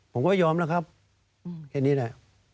ผมก็ยอมแล้วครับแค่นี้แหละ